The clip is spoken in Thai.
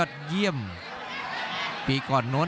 และอัพพิวัตรสอสมนึก